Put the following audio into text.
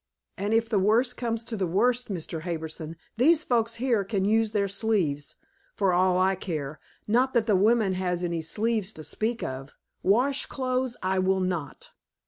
And if the worst comes to the worst, Mr. Harbison, these folks here can use their sleeves, for all I care not that the women has any sleeves to speak of. Wash clothes I will not."